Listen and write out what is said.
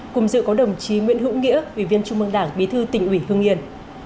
cùng dự có đồng chí nguyễn hữu nghĩa ủy viên trung mương đảng bí thư tỉnh ủy hưng yên